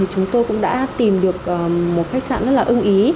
chúng tôi cũng đã tìm được một khách sạn rất là ưng ý